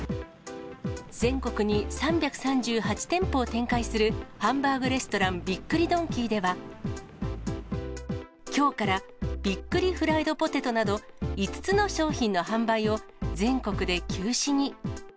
全国に３３８店舗を展開するハンバーグレストラン、びっくりドンキーでは、きょうから、びっくりフライドポテトなど５つの商品の販売を全国で休止に。